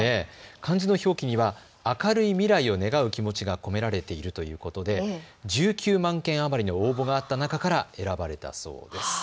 漢字の表記には、明るい未来を願う気持ちが込められているということで１９万件余りの応募があった中から選ばれたそうです。